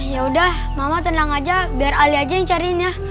ya udah mama tenang aja biar ali aja yang carinya